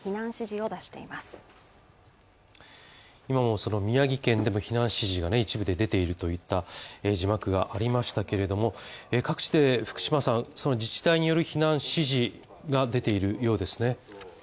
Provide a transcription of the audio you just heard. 今もその宮城県でも避難指示が一部で出ているといった字幕がありましたけれども各地で自治体による避難指示が出ているようですね。